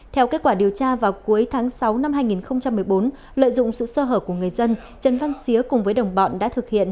theo kết quả điều tra vào cuối tháng sáu năm hai nghìn một mươi bốn lợi dụng sự sơ hở của người dân trần văn xía cùng với đồng bọn đã thực hiện